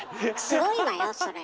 すごいわよそれ。